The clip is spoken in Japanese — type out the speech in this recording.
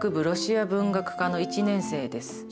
ロシア文学科の１年生です。